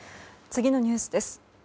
次のニュースです。